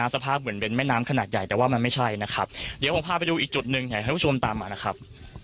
สภาพเหมือนเป็นแม่น้ำขนาดใหญ่แต่ว่ามันไม่ใช่นะครับเดี๋ยวผมพาไปดูอีกจุดหนึ่งอยากให้ผู้ชมตามมานะครับ